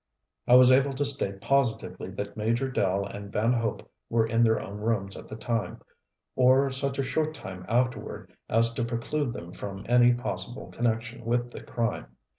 I was able to state positively that Major Dell and Van Hope were in their own rooms at the time, or such a short time afterward as to preclude them from any possible connection with the crime.